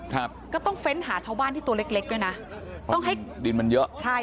ครับก็ต้องเฟ้นหาชาวบ้านที่ตัวเล็กเล็กด้วยนะต้องให้ดินมันเยอะใช่